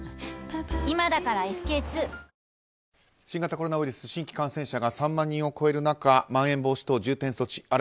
新型コロナウイルス新規感染者が３万人を超える中まん延防止等重点措置